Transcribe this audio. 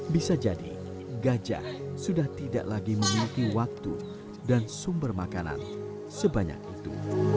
bisa jadi gajah sudah tidak lagi memiliki waktu dan sumber makanan sebanyak itu